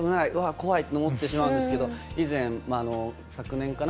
怖い！と思ってしまうんですけど昨年かな